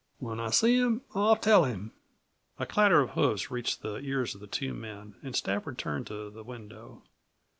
"When I see him I'll tell him " A clatter of hoofs reached the ears of the two men, and Stafford turned to the window.